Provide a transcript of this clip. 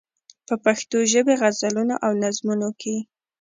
په پښتو ژبې غزلونو او نظمونو کې.